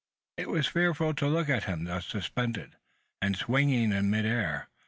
It was fearful to look at him thus suspended, and swinging in mid air.